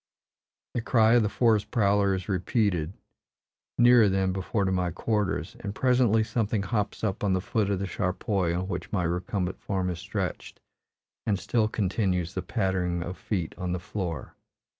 The cry of the forest prowler is repeated, nearer than before to my quarters, and presently something hops up on the foot of the charpoy on which my recumbent form is stretched; and still continues the pattering of feet on the floor.